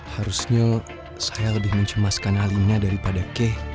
harusnya saya lebih mencemaskan alinya daripada kei